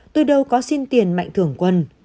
tôi đâu có xin tiền mạnh thường quân